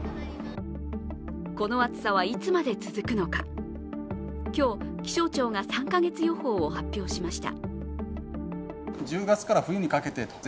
この暑さはいつまで続くのか、今日気象庁が３か月予報を発表しました。